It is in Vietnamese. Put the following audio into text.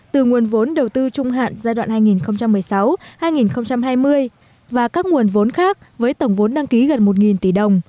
từ nguồn vốn đầu tư trung hạn giai đoạn hai nghìn một mươi sáu hai nghìn hai mươi và các nguồn vốn khác với tổng vốn đăng ký gần một tỷ đồng